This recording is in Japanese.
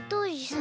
ん？